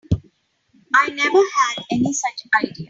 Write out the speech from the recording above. I never had any such idea.